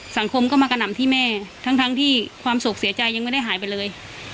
สังคมก็มากระหน่ำที่แม่ทั้งที่ความโศกเสียใจยังไม่ได้หายไปเลย